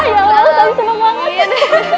ya allah aku seneng banget